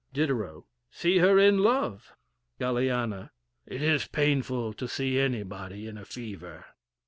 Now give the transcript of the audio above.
Diderot. See her in love. Galiana. It is painful to see anybody in a fever.